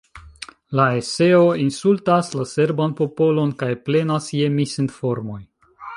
La eseo insultas la serban popolon kaj plenas je misinformoj.